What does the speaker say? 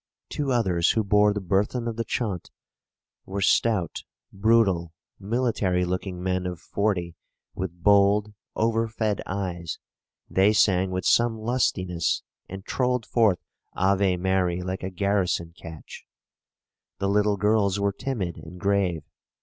Two others, who bore the burthen of the chaunt, were stout, brutal, military looking men of forty, with bold, over fed eyes; they sang with some lustiness, and trolled forth 'Ave Mary' like a garrison catch. The little girls were timid and grave.